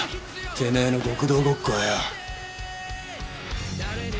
てめえの極道ごっこはよ。